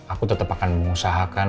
aku tetap akan mengusahakan